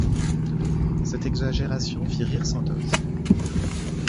Cette exagération fit rire Sandoz.